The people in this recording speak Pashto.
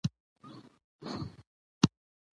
شېخ عیسي په پاړسي هندي هم شعرونه ویلي وو.